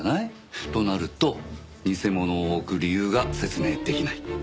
となると偽物を置く理由が説明できない。